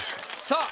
さあ。